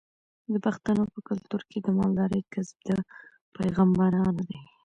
د پښتنو په کلتور کې د مالدارۍ کسب د پیغمبرانو دی.